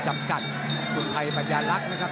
จำกัดกรุ่นไทยบรรยาลักษณ์นะครับ